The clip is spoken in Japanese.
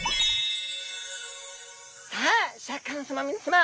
さあシャーク香音さま皆さま！